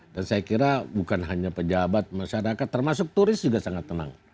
dan saya kira bukan hanya pejabat masyarakat termasuk turis juga sangat tenang